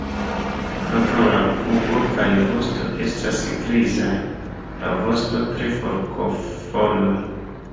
Ankaŭ la pugo kaj vosto estas grizaj; la vosto tre forkoforma.